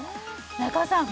中尾さん